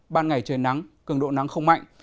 ban ngày trời nắng cường độ nắng không mạnh